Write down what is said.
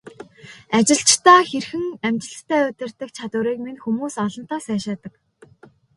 Ажилчдаа хэрхэн амжилттай удирддаг чадварыг минь хүмүүс олонтаа сайшаадаг.